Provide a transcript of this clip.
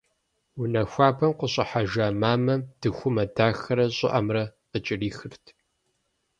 Унэ хуабэм къыщӏыхьэжа мамэ дыхумэ дахэрэ щӏыӏэмэрэ къыкӏэрихырт.